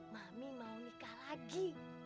mami mau nikah lagi